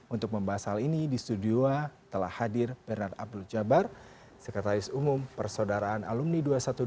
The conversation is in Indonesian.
untuk membahas hal ini di studio telah hadir bernard abdul jabar sekretaris umum persaudaraan alumni dua ratus dua belas